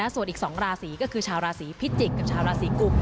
ส่วนอีก๒ราศีก็คือชาวราศีพิจิกษ์กับชาวราศีกุม